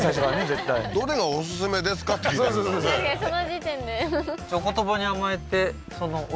絶対どれがオススメですか？って聞いてるんだもんね